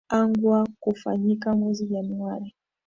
angwa kufanyika mwezi januari